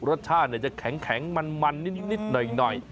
รสชาติจะแข็งมันนิดหน่อย